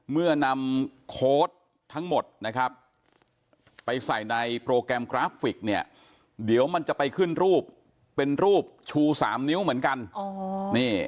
เมื่อนำโค้ดทั้งหมดนะครับไปใส่ในโปรแกรมกราฟิกเนี่ยเดี๋ยวมันจะไปขึ้นรูปเป็นรูปชู๓นิ้วเหมือนกัน